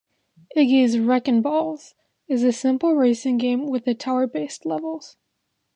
"Iggy's Reckin' Balls" is a simple racing game with tower-based levels.